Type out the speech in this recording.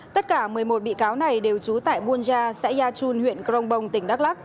tất cả một mươi một bị cáo này đều trú tại buôn gia xã ya chun huyện crong bông tỉnh đắk lắc